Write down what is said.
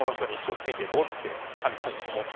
ってかみさんに思って。